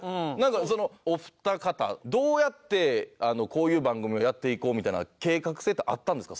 お二方どうやってこういう番組をやっていこうみたいな計画性ってあったんですか？